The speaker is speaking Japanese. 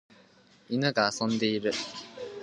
犬は庭で元気に遊んでいます。